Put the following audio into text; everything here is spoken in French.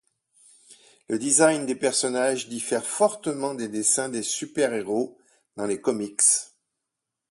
Le design des personnages diffère fortement des dessins des superhéros dans les comics.